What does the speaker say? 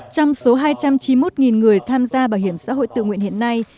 trong số hai trăm chín mươi một người tham gia bảo hiểm xã hội tự nguyện hiện nay